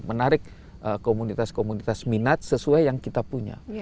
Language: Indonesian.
menarik komunitas komunitas minat sesuai yang kita punya